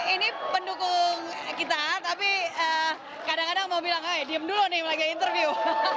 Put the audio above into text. ini pendukung kita tapi kadang kadang mau bilang ayo diem dulu nih lagi interview